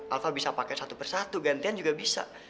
alva bisa pake satu persatu gantian juga bisa